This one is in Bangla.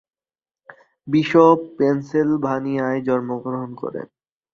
বিশপ পেন্সিলভানিয়ায় জন্মগ্রহণ করেন।